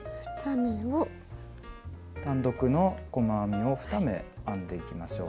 単独の細編みを２目編んでいきましょう。